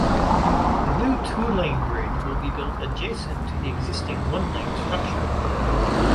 The new two-lane bridge will be built adjacent to the existing one-lane structure.